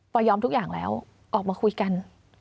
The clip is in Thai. ยอมทุกอย่างแล้วออกมาคุยกัน